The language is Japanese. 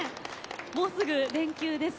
もうすぐ連休です。